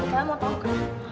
kalian mau tau kan